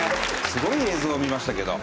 すごい映像を見ましたけど。